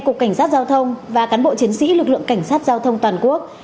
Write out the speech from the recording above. cục cảnh sát giao thông và cán bộ chiến sĩ lực lượng cảnh sát giao thông toàn quốc